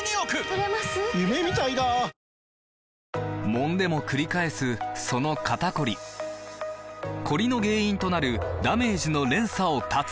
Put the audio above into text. もんでもくり返すその肩こりコリの原因となるダメージの連鎖を断つ！